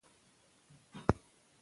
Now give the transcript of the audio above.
اړه د ارتباط معنا لري.